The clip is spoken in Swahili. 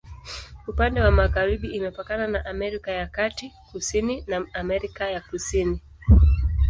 Upande wa magharibi imepakana na Amerika ya Kati, kusini na Amerika ya Kusini.